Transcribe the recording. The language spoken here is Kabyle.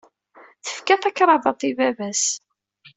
Tefka takrabaḍt i baba-s.